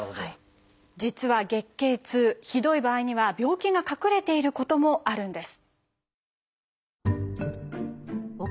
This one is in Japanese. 実は月経痛ひどい場合には病気が隠れていることもあるんです。